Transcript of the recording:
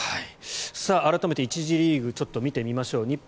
改めて１次リーグちょっと見てみましょう。